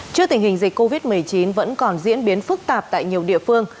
trước tình hình dịch covid một mươi chín vẫn còn diễn biến phức tạp tại nhiều địa phương